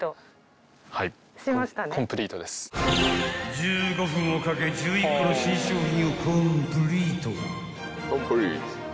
［１５分をかけ１１個の新商品をコンプリート］